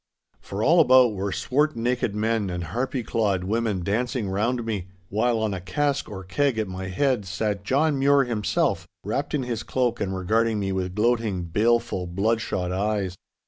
For all about were swart naked men and harpy clawed women dancing round me, while on a cask or keg at my head sat John Mure himself, wrapped in his cloak and regarding me with gloating, baleful, bloodshot eyes.